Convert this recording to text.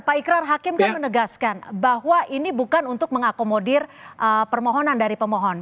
pak ikrar hakim kan menegaskan bahwa ini bukan untuk mengakomodir permohonan dari pemohon